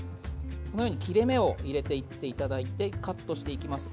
このように切れ目を入れていっていただいてカットしていきます。